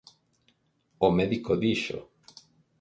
"O médico dixo:"